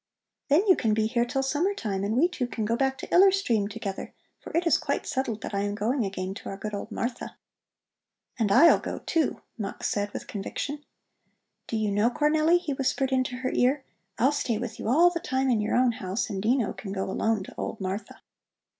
"Then you can be here till summer time and we two can go back to Iller Stream together, for it is quite settled that I am going again to our good old Martha." "And I'll go, too," Mux said with conviction. "Do you know, Cornelli," he whispered into her ear, "I'll stay with you all the time in your own house and Dino can go alone to old Martha."